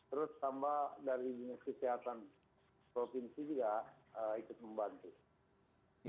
terus tambah dari dinas kesehatan provinsi juga ikut membantu